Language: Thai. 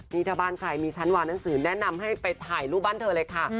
นี่ถ้าบ้านใครมีฉันวางหนังสือแนะนำให้ไปถ่ายรูปบ้านเธอเลยค่ะ